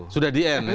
sudah di n ya